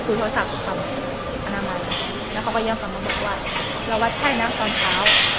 ถ้าจะไม่วาดไข้เราน้อยได้วัดไข้ครับ